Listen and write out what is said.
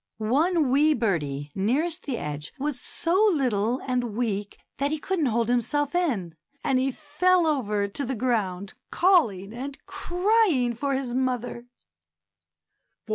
One wee birdie nearest the edge was so little and weak that he couldn't hold himself in, and he fell over to the ground calling and crying for his mother.